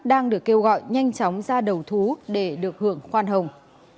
đang được kêu gọi nhanh chóng ra đầu thú để được hưởng khoan hồng